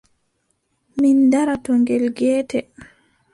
Min ndaara to ngel geetel.